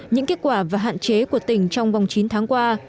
những kết quả và hạn chế của tỉnh trong vòng chín tháng qua